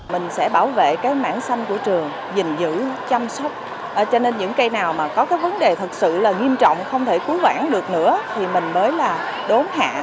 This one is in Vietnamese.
mình sẽ bảo vệ cái mảng xanh của trường dình dữ chăm sóc cho nên những cây nào mà có cái vấn đề thật sự là nghiêm trọng không thể cúi quản được nữa thì mình mới là đốn hạ